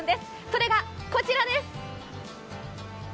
それが、こちらです！